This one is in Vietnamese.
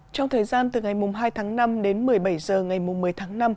trong thời gian từ ngày hai tháng năm đến một mươi bảy h ngày một mươi tháng năm